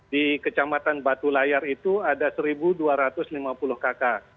di kecamatan batu layar itu ada satu dua ratus lima puluh kakak